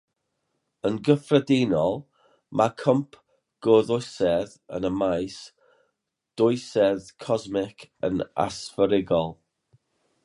Yn gyffredinol, mae cwymp gorddwysedd yn y maes dwysedd cosmig yn asfferigol.